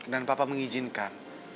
dan papa mengizinkan